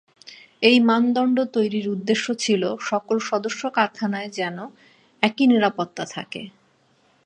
এই মানদণ্ড তৈরির উদ্দেশ্য ছিল সকল সদস্য কারখানায় যেন একি নিরাপত্তা থাকে।